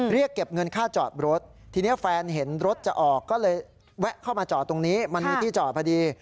เรียกเก็บเงินค่าจอดรถทีนี้แฟนเห็นรถจะออกก็เลยแวะเข้ามาจอดตรงนี้มันมีที่จอดพอดี